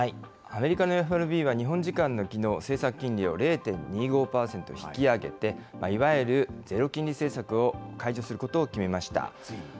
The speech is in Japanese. アメリカのＦＲＢは日本時間のきのう、政策金利を０．２５％引き上げて、いわゆるゼロ金利政策を解除することを決めました。